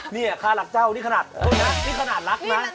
ทีมเขาตอบเลยแล้วนะ